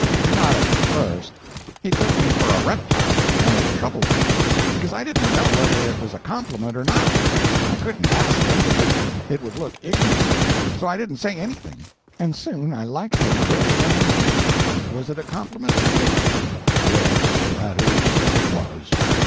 "Not at first. He took me for a reptile, and it troubled me, because I didn't know whether it was a compliment or not. I couldn't ask him, because it would look ignorant. So I didn't say anything, and soon liked him very well indeed. Was it a compliment, do you think?" "Yes, that is what it was.